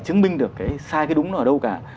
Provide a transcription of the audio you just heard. chứng minh được cái sai cái đúng ở đâu cả